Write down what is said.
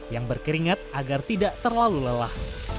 yang berkeringat agar tidak terlalu lelah